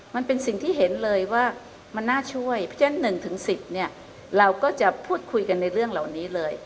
มันเป็นสิ่งที่เห็นเลยว่ามันน่าช่วยเพราะฉะนั้น๑๑๐เนี่ยเราก็จะพูดคุยกันในเรื่องเหล่านี้เลย